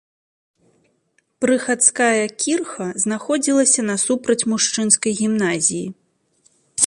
Прыхадская кірха знаходзілася насупраць мужчынскай гімназіі.